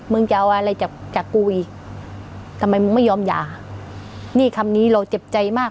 จะเอาอะไรจากจากกูอีกทำไมมึงไม่ยอมหย่านี่คำนี้เราเจ็บใจมาก